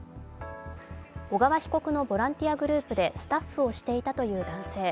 小川被告のボランティアグループでスタッフをしていたという男性。